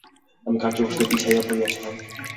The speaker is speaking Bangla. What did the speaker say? আমি কার্যবশত পিছাইয়া পড়িয়াছিলাম।